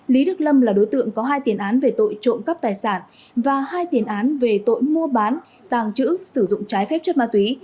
lý đức lâm là đối tượng có hai tiền án về tội trộm cắp tài sản và hai tiền án về tội mua bán tàng trữ sử dụng trái phép chất ma túy